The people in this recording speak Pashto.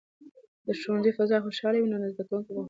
که د ښوونځي فضا خوشحاله وي، نو زده کوونکي به خوشاله وي.